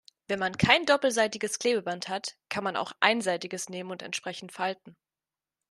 Wenn man kein doppelseitiges Klebeband hat, kann man auch einseitiges nehmen und entsprechend falten.